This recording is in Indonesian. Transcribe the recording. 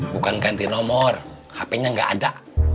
bukan ganti nomor hpnya gak ada